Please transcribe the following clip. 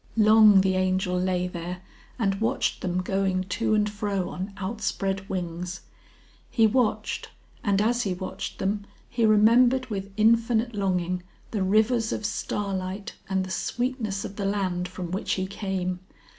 Long the Angel lay there and watched them going to and fro on outspread wings. He watched, and as he watched them he remembered with infinite longing the rivers of starlight and the sweetness of the land from which he came.